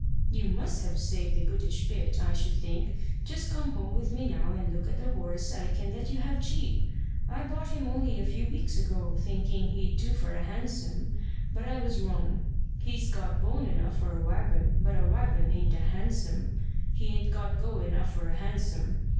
"You must have saved a goodish bit, I should think. Just come home with me now and look at a horse I can let you have cheap. I bought him only a few weeks ago, thinking he'd do for a Hansom, but I was wrong. He's got bone enough for a waggon, but a waggon ain't a Hansom. He ain't got go enough for a Hansom.